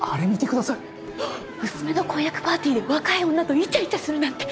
娘の婚約パーティーで若い女とイチャイチャするなんて。